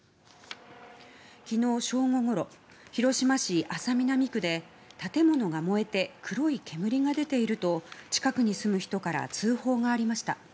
昨日正午ごろ広島市安佐南区で建物が燃えて黒い煙が出ていると近くに住む人から通報がありました。